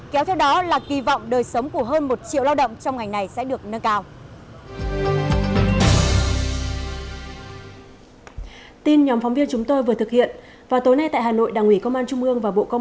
kéo theo đó là kỳ vọng đời sống của hơn một triệu lao động trong ngành này sẽ được nâng cao